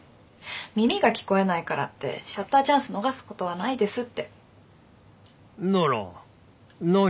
耳が聞こえないからってシャッターチャンス逃すことはないですって。